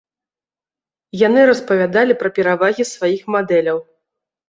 Яны распавядалі пра перавагі сваіх мадэляў.